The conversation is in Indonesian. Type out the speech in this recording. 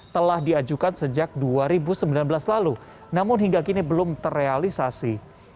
telah diajukan sejak dua ribu sembilan belas lalu namun hingga kini belum terrealisasi